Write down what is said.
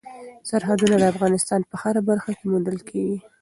سرحدونه د افغانستان په هره برخه کې موندل کېږي.